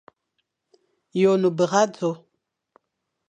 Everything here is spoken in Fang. Ye one bera dzo?